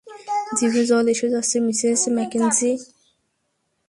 জিভে জল এসে যাচ্ছে, মিসেস ম্যাকেঞ্জি!